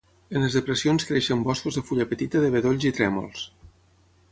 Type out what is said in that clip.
En les depressions creixen boscos de fulla petita de bedolls i trèmols.